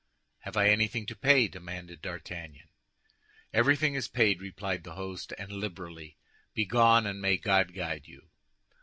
"Have I anything to pay?" demanded D'Artagnan. "Everything is paid," replied the host, "and liberally. Begone, and may God guide you!"